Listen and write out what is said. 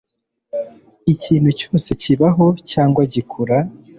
ikintu cyose kibaho cyangwa gikura